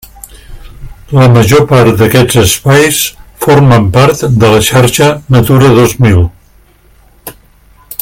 La major part d'aquests espais formen part de la xarxa Natura dos mil.